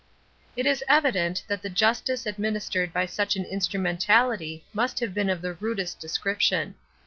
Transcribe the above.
It is evident that the justice administered by such an instrumentality must have been of the rudest description.